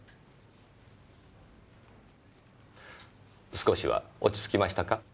少しは落ち着きましたか？